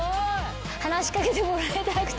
話し掛けてもらいたくて。